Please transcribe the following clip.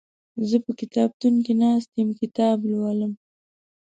زه په کتابتون کې ناست يم کتاب لولم